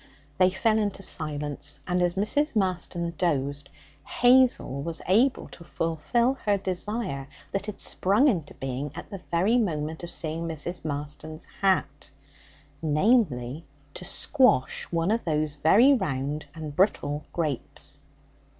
They fell into silence, and as Mrs. Marston dozed, Hazel was able to fulfil her desire that had sprung into being at the moment of seeing Mrs. Marston's hat namely, to squash one of those very round and brittle grapes.